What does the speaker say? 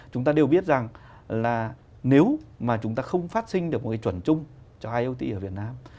chúng ta đều biết rằng là nếu mà chúng ta không phát sinh được một cái chuẩn chung cho iot ở việt nam